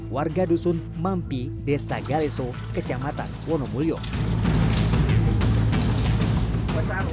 warga dusun mampi desa galinso kecamatan wonomulioom